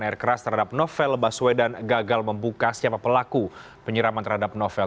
air keras terhadap novel baswedan gagal membuka siapa pelaku penyiraman terhadap novel